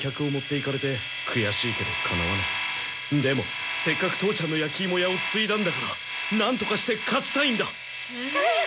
でもせっかく父ちゃんの焼き芋屋を継いだんだからなんとかして勝ちたいんだ！